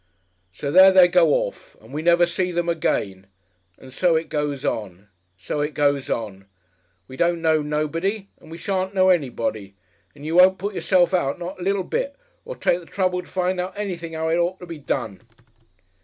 "So there they go orf! And we never see them again! And so it goes on! So it goes on! We don't know nobody and we shan't know anybody! And you won't put yourself out not a little bit, or take the trouble to find out anything 'ow it ought to be done."